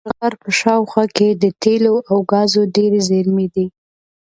د شبرغان ښار په شاوخوا کې د تېلو او ګازو ډېرې زېرمې دي.